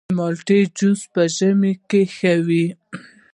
د مالټې جوس په ژمي کې ښه وي.